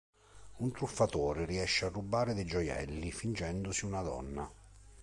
Un truffatore riesce a rubare dei gioielli fingendosi una donna.